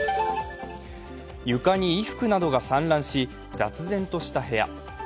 床に衣服などが散乱し、雑然とした部屋。